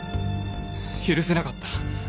許せなかった。